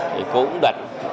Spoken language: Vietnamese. thì cũng đặt ra